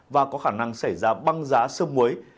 và có khả năng xảy ra băng giá sơ muối